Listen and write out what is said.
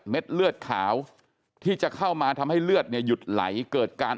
เลือดขาวที่จะเข้ามาทำให้เลือดเนี่ยหยุดไหลเกิดการ